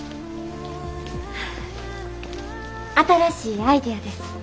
新しいアイデアです。